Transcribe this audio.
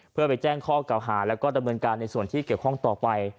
เพื่อไปแจ้งข้อเก่าหาแล้วก็ดำเนินการในส่วนที่เกี่ยวข้องต่อไป